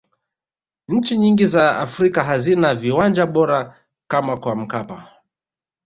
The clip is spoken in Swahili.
nchi nyingi za afrika hazina viwanja bora kama kwa mkapa